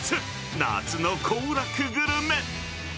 夏の行楽グルメ。